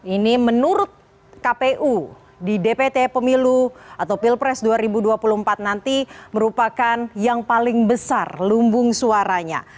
ini menurut kpu di dpt pemilu atau pilpres dua ribu dua puluh empat nanti merupakan yang paling besar lumbung suaranya